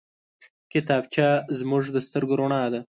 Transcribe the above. کتابچه زموږ د سترګو رڼا ده